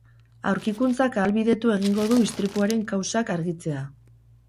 Aurkikuntzak ahalbidetu egingo du istripuaren kausak argitzea.